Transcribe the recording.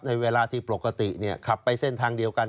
เวลาที่ปกติขับไปเส้นทางเดียวกัน